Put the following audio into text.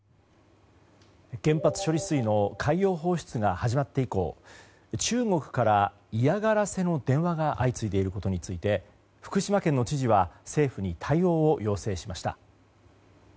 原発処理水の海洋放出が始まって以降中国から嫌がらせの電話が相次いでいることについて福島県の知事は政府に対応を要請しました。